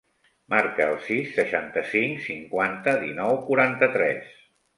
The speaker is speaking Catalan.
Marca el sis, seixanta-cinc, cinquanta, dinou, quaranta-tres.